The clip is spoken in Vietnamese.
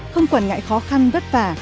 không quản ngại khó khăn vất vả